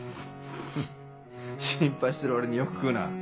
フッ心配してる割によく食うな。